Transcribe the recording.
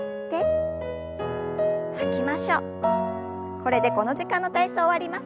これでこの時間の体操終わります。